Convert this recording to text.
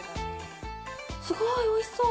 すごいおいしそう。